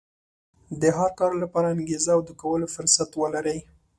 د هر کار لپاره انګېزه او د کولو فرصت ولرئ.